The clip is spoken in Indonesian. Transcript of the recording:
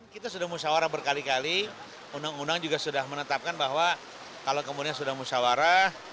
kita sudah musyawarah berkali kali undang undang juga sudah menetapkan bahwa kalau kemudian sudah musyawarah